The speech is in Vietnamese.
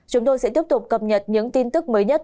chúng tôi sẽ tiếp tục cập nhật những tin tức mới nhất